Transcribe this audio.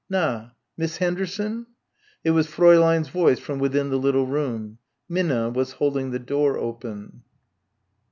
"Na Miss Henderson?" It was Fräulein's voice from within the little room. Minna was holding the door open.